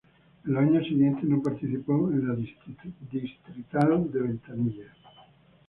En los años siguiente no participó en la distrital de Ventanilla.